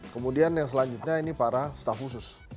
kemudian yang selanjutnya ini para staff khusus